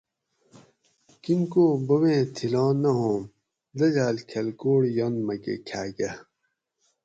کیم کو بوبیں تھیلاں نہ ھووم دجاۤل کھلکوٹ ینت مکہ کھا کہ